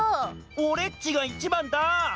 おれっちがいちばんだ！